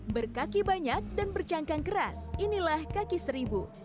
berkaki banyak dan bercangkang keras inilah kaki seribu